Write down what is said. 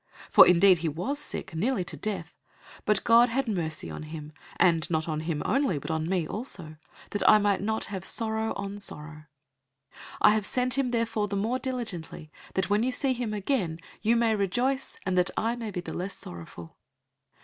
002:027 For indeed he was sick, nearly to death, but God had mercy on him; and not on him only, but on me also, that I might not have sorrow on sorrow. 002:028 I have sent him therefore the more diligently, that, when you see him again, you may rejoice, and that I may be the less sorrowful.